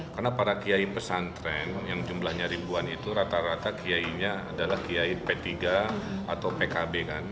karena para kiai pesantren yang jumlahnya ribuan itu rata rata kiainya adalah kiai p tiga atau pkb kan